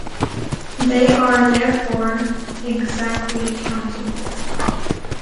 They are, therefore "exactly" countable.